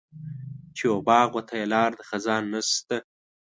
چې و باغ وته یې لار د خزان نشته.